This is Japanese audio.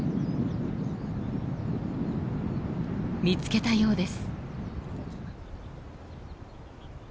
見つけたようです！